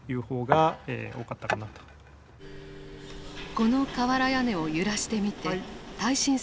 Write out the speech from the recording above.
この瓦屋根を揺らしてみて耐震性を確かめた。